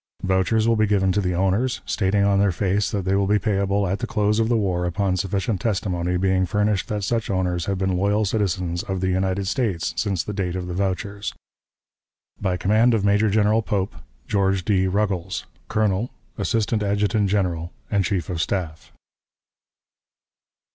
Vouchers will be given to the owners, stating on their face that they will be payable at the close of the war upon sufficient testimony being furnished that such owners have been loyal citizens of the United States since the date of the vouchers. ... "By command of Major General Pope: "GEORGE D. RUGGLES, "_Colonel, A. A. General, and Chief of Staff.